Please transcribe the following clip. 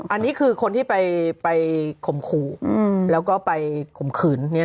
อันนี้คือคนที่ไปข่มขู่แล้วก็ไปข่มขืน